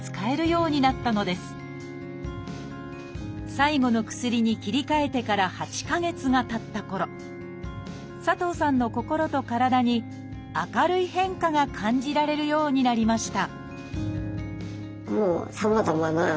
最後の薬に切り替えてから８か月がたったころ佐藤さんの心と体に明るい変化が感じられるようになりました